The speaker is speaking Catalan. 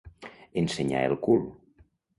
Ensenyar el cul.